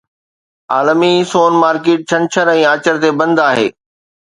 عالمي سون مارڪيٽ ڇنڇر ۽ آچر تي بند آهي